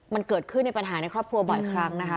มันเกิดขึ้นในปัญหาในครอบครัวบ่อยครั้งนะคะ